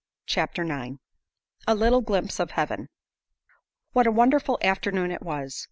CHAPTER NINE A LITTLE GLIMPSE OF HEAVEN What a wonderful afternoon it was!